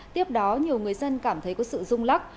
tiếp đó nhiều người dân cảm thấy có sự rung lắc